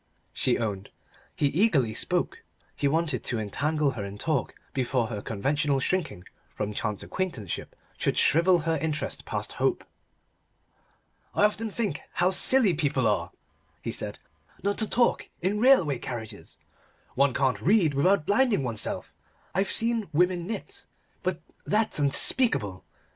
she owned. He eagerly spoke: he wanted to entangle her in talk before her conventional shrinking from chance acquaintanceship should shrivel her interest past hope. "I often think how silly people are," he said, "not to talk in railway carriages. One can't read without blinding oneself. I've seen women knit, but that's unspeakable.